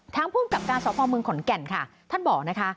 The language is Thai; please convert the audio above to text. ทางผู้กับการสภอมืองขนแก่นค่ะท่านบอกนะคะ